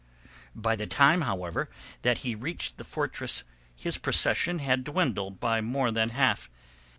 By the time, however, that he reached the fortress his procession had dwindled by more than half.